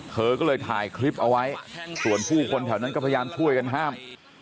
เธอก็เลยถ่ายคลิปเอาไว้ส่วนผู้คนแถวนั้นก็พยายามช่วยกันห้าม